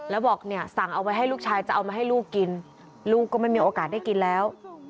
แล้วบอกเนี่ยสั่งเอาไว้ให้ลูกชายจะเอามาให้ลูกกินลูกก็ไม่มีโอกาสได้กินแล้ว